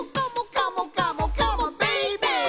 「カモカモカモ」「ベイベー」